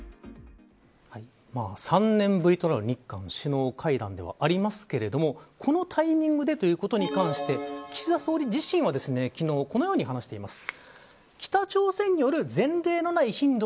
３年ぶりとなる日韓首脳会談ではありますけれどもこのタイミングでということに関して岸田総理自身は、昨日このように話しています。